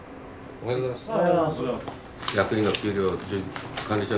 おはようございます。